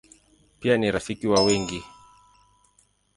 Pia ni rafiki wa wengi.